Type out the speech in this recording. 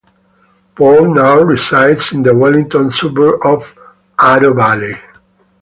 Paul now resides in the Wellington suburb of Aro Valley.